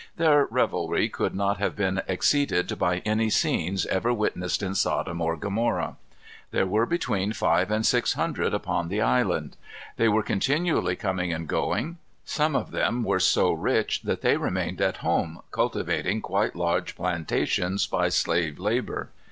Their revelry could not have been exceeded by any scenes ever witnessed in Sodom or Gomorrah. There were between five and six hundred upon the island. They were continually coming and going. Some of them were so rich that they remained at home cultivating quite large plantations by slave labor.